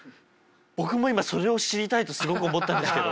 僕も今それを知りたいとすごく思ったんですけど。